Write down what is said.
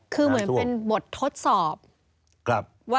พูดว่าเป็นบททดสอบ